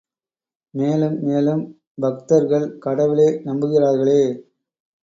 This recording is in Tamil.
மேலும் மேலும் பக்தர்கள் கடவுளே நம்புகிறார்களே!